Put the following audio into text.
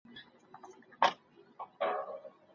که د تاریخي ابداتو ساتونکي ګمارل سي، نو څوک یې نه تخریبوي.